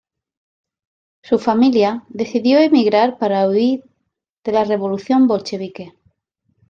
Su familia decidió emigrar para huir de la Revolución bolchevique.